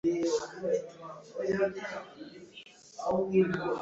Azwiho kuba umunyabwenge cyane.